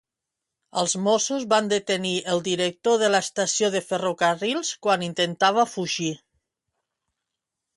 Els Mossos van detenir el director de l'estació de Ferrocarrils quan intentava fugir.